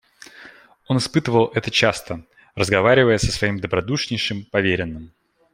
Он испытывал это часто, разговаривая со своим добродушнейшим поверенным.